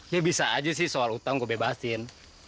ya bisa aja sih soal hutang gue bebasin